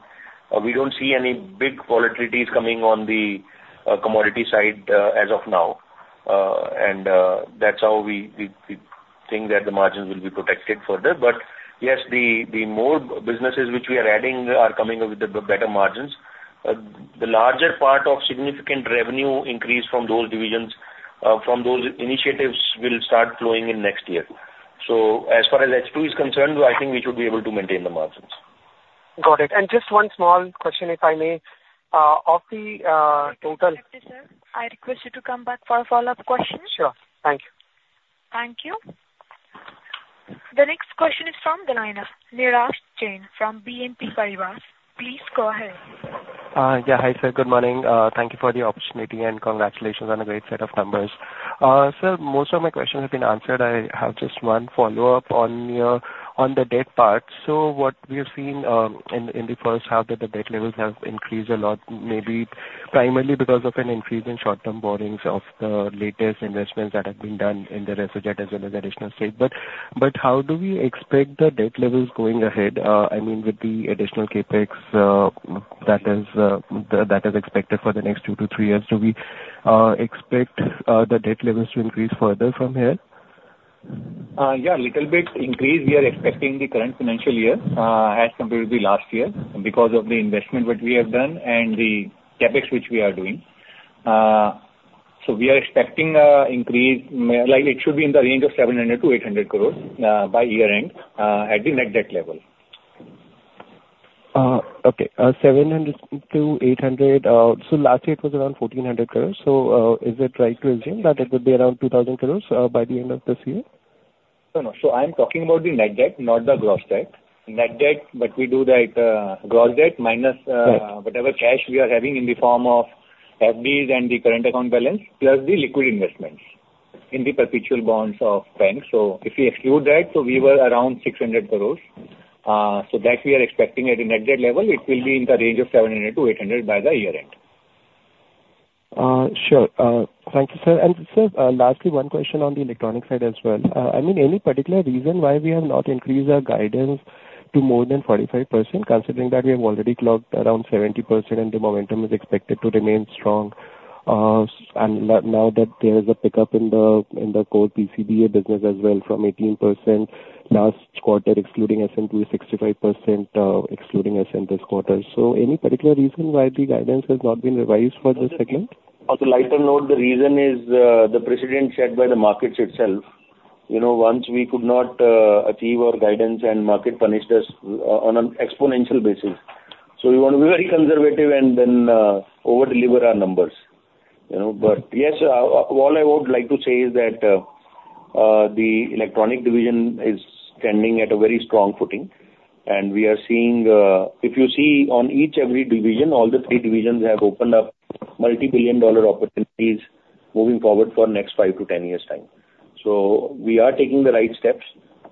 We don't see any big volatilities coming on the commodity side as of now. And that's how we think that the margins will be protected further. But yes, the more businesses which we are adding are coming up with the better margins. The larger part of significant revenue increase from those divisions from those initiatives will start flowing in next year. So as far as H2 is concerned, I think we should be able to maintain the margins. Got it, and just one small question, if I may. Of the, total- Sir, I request you to come back for a follow-up question. Sure. Thank you. Thank you. The next question is from the line of Neeraj Jain from BNP Paribas. Please go ahead. Yeah. Hi, sir. Good morning. Thank you for the opportunity, and congratulations on a great set of numbers. Sir, most of my questions have been answered. I have just one follow-up on your, on the debt part. So what we have seen, in the first half, that the debt levels have increased a lot, maybe primarily because of an increase in short-term borrowings of the latest investments that have been done in the Resojet as well as additional state. But how do we expect the debt levels going ahead, I mean, with the additional CapEx that is expected for the next two to three years? Do we expect the debt levels to increase further from here? Yeah, little bit increase. We are expecting the current financial year as compared to the last year, because of the investment which we have done and the CapEx which we are doing. So we are expecting a increase, may, like, it should be in the range of 700 crore-800 crore by year-end at the net debt level. Okay, 700-800. So, last year it was around 1,400 crore. So, is it right to assume that it would be around 2,000 crore by the end of this year? No, no. So I'm talking about the net debt, not the gross debt. Net debt, but we do the gross debt minus- Right whatever cash we are having in the form of FDs and the current account balance, plus the liquid investments in the perpetual bonds of banks. So if we exclude that, so we were around 600 crore. So that we are expecting at a net debt level, it will be in the range of 700 crore-800 crore by the year-end. Sure. Thank you, sir. And sir, lastly, one question on the electronic side as well. I mean, any particular reason why we have not increased our guidance to more than 45%, considering that we have already clocked around 70%, and the momentum is expected to remain strong? And now that there is a pickup in the core PCBA business as well, from 18% last quarter, excluding SM to, 65%, excluding SM this quarter. So any particular reason why the guidance has not been revised for the second? On a lighter note, the reason is, the precedent set by the markets itself. You know, once we could not achieve our guidance, and market punished us on an exponential basis. So we want to be very conservative and then, over-deliver our numbers, you know? But yes, all I would like to say is that, the electronic division is standing at a very strong footing, and we are seeing... If you see on each, every division, all the three divisions have opened up multi-billion-dollar opportunities moving forward for next five to 10 years' time. So we are taking the right steps.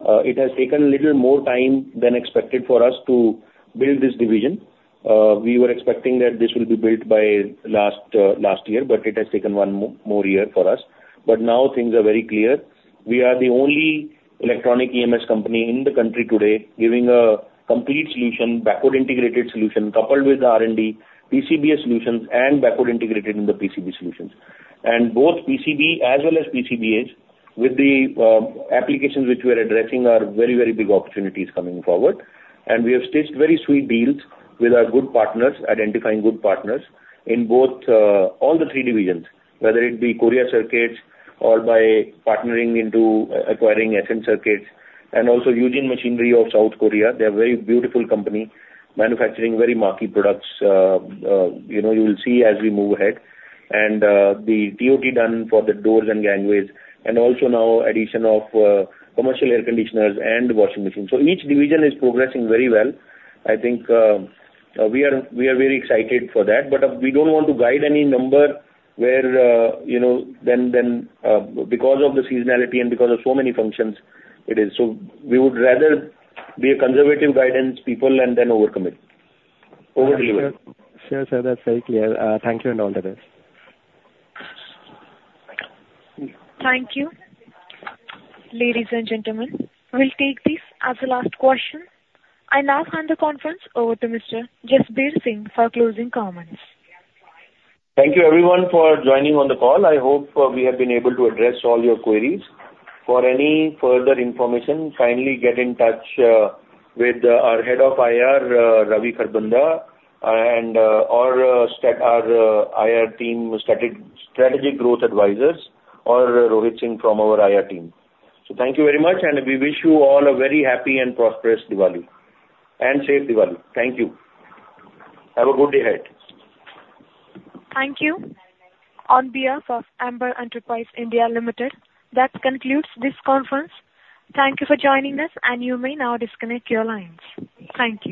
It has taken a little more time than expected for us to build this division. We were expecting that this will be built by last year, but it has taken one more year for us. But now things are very clear. We are the only electronic EMS company in the country today giving a complete solution, backward integrated solution, coupled with the R&D, PCBA solutions and backward integrated in the PCB solutions. And both PCB as well as PCBAs, with the applications which we are addressing, are very, very big opportunities coming forward. And we have stitched very sweet deals with our good partners, identifying good partners, in both all the three divisions, whether it be Korea Circuit or by partnering and acquiring Ascent Circuits and also Yujin Machinery of South Korea. They are very beautiful company, manufacturing very marquee products. You know, you will see as we move ahead. And the deal done for the doors and gangways, and also now addition of commercial air conditioners and washing machines, so each division is progressing very well. I think we are very excited for that, but we don't want to guide any number where, you know, then because of the seasonality and because of so many functions, it is. So we would rather be conservative guidance people and then overcommit. Overdeliver. Sure, sir. That's very clear. Thank you and all the best. Thank you. Ladies and gentlemen, we'll take this as the last question. I now hand the conference over to Mr. Jasbir Singh for closing comments. Thank you everyone for joining on the call. I hope we have been able to address all your queries. For any further information, kindly get in touch with our Head of IR, Ravi Kharbanda, and or our IR team, Strategic Growth Advisors, or Rohit Singh from our IR team. So thank you very much, and we wish you all a very happy and prosperous Diwali, and safe Diwali. Thank you. Have a good day ahead. Thank you. On behalf of Amber Enterprises India Limited, that concludes this conference. Thank you for joining us, and you may now disconnect your lines. Thank you.